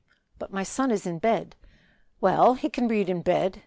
"But my son is in bed." "Well! he can read in bed.